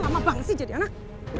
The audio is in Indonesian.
lama banget sih jadi anak